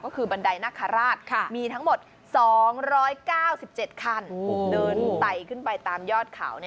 ก็คือบันไดนาคาราชมีทั้งหมด๒๙๗คันเดินไตขึ้นไปตามยอดเขา